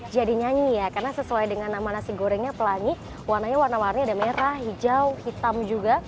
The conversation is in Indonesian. jadi nyanyi ya karena sesuai dengan nama nasi gorengnya pelangi warnanya warna warnanya ada merah hijau hitam juga